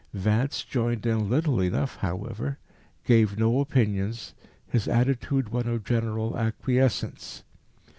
Vance joined in little enough, however, gave no opinions, his attitude one of general acquiescence.